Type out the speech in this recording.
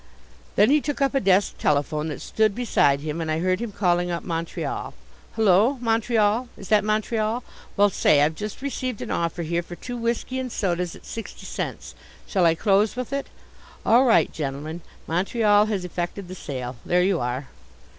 Then he took up a desk telephone that stood beside him and I heard him calling up Montreal. "Hullo, Montreal! Is that Montreal? Well, say, I've just received an offer here for two whisky and sodas at sixty cents, shall I close with it? All right, gentlemen, Montreal has effected the sale. There you are."